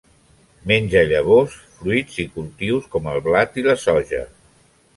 Menja llavors, fruits i cultius com el blat i la soja.